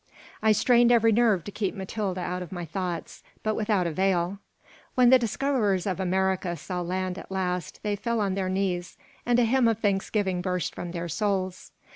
I strained every nerve to keep Matilda out of my thoughts, but without avail When the discoverers of America saw land at last they fell on their knees and a hymn of thanksgiving burst from their souls.